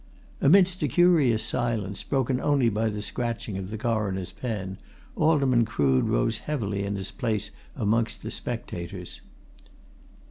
Amidst a curious silence, broken only by the scratching of the Coroner's pen, Alderman Crood rose heavily in his place amongst the spectators.